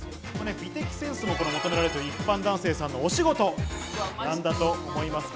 美的センスも求められる一般男性さんのお仕事、何だと思いますか？